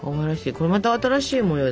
これまた新しい模様だね。